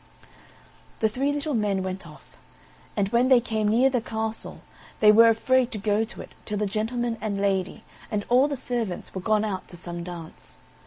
The three little men went off; and when they came near the castle they were afraid to go to it till the gentleman and lady and all the servants were gone out to some dance.